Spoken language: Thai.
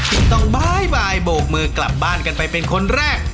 ติดต่อบ๊ายบายโบกมือกลับบ้านกันไปเป็นคนแรก